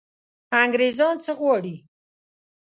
انګرېزان څه غواړي.